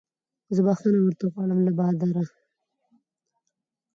زه بخښنه ورته غواړم له باداره